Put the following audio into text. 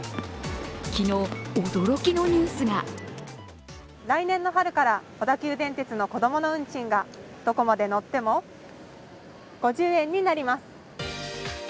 昨日、驚きのニュースが来年の春から小田急電鉄のこどもの運賃がどこまで乗っても５０円になります。